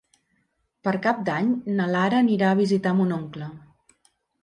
Per Cap d'Any na Lara anirà a visitar mon oncle.